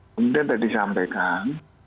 kemudian tadi sampaikan